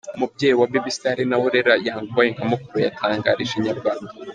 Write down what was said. Umubyeyi wa Baby Style ari nawe urera Young Boy nka mukuru we yatangarije Inyarwanda.